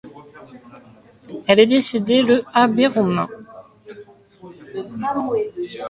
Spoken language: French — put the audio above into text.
Elle est décédée le à Bærum.